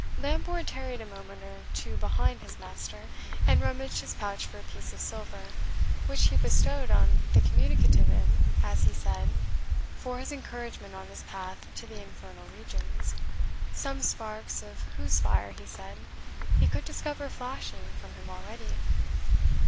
Lambourne tarried a moment or two behind his master, and rummaged his pouch for a piece of silver, which he bestowed on the communicative imp, as he said, for his encouragement on his path to the infernal regions, some sparks of whose fire, he said, he could discover flashing from him already.